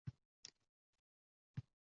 Qachondan beri?